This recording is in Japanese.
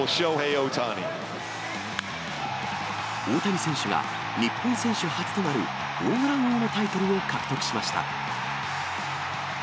大谷選手が日本選手初となるホームラン王のタイトルを獲得しました。